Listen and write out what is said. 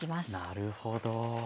なるほど。